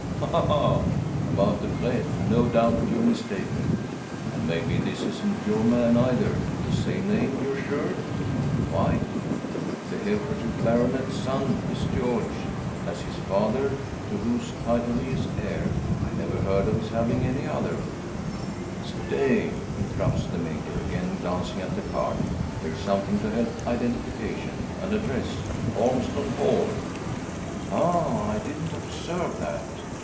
"Ha ha ha! About the pretre, no doubt you're mistaken. And maybe this isn't your man, either. The same name, you're sure!" "Quite. The Herefordshire baronet's son is George, as his father, to whose title he is heir. I never heard of his having any other " "Stay!" interrupts the Major, again glancing at the card, "here's something to help identification an address Ormeston Hall." "Ah! I didn't observe that."